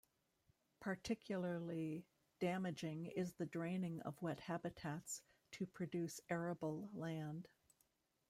Particularly damaging is the draining of wet habitats to produce arable land.